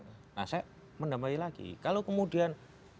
saya menambah lagi kalau kemudian